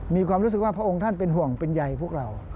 มีความรู้สึกว่าพระองค์ท่านเป็นห่วงเป็นใยพวกเรา